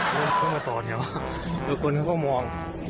มันเข้ามาต่อเนี่ยวะแล้วคนเขาก็มอง